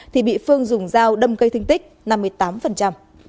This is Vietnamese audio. thì bị phương dùng dao đâm gây thương tích năm mươi tám